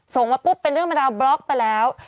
มาปุ๊บเป็นเรื่องเป็นราวบล็อกไปแล้ว